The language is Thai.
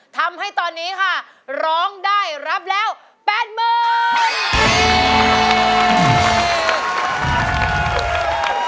ทำให้ตอนนี้ค่ะร้องได้รับแล้ว๘๐๐๐บาท